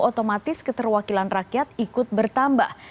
otomatis keterwakilan rakyat ikut bertambah